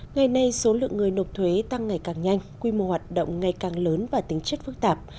ngày nay số lượng người nộp thuế tăng ngày càng nhanh quy mô hoạt động ngày càng lớn và tính chất phức tạp